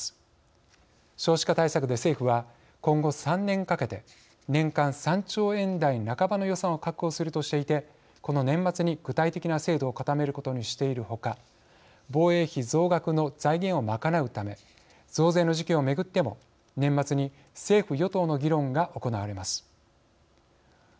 少子化対策で政府は今後３年かけて年間３兆円台半ばの予算を確保するとしていてこの年末に具体的な制度を固めることにしているほか防衛費増額の財源を賄うため増税の時期を巡っても年末に政府・与党の議論が行われます。